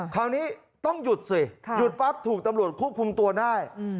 คราวนี้ต้องหยุดสิหยุดปั๊บถูกตำรวจควบคุมตัวได้